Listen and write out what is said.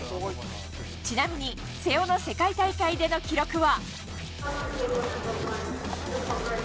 ちなみに、瀬尾の世界大会での記録は。